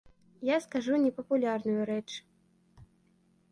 Я скажу непапулярную рэч.